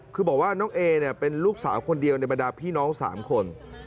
คือบอกว่าน้องเอเนี่ยเป็นลูกสาวคนเดียวในบรรดาพี่น้อง๓คน